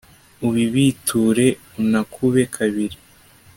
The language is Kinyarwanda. ubibiture unakube kabiri